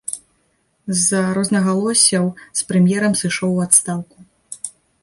З-за рознагалоссяў з прэм'ерам сышоў у адстаўку.